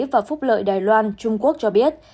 và phúc lợi đài loan trung quốc cho biết